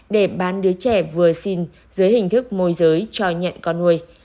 để bán đứa trẻ vừa xin dưới hình thức môi giới cho nhận con nuôi